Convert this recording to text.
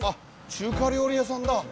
中華料理屋さんだ。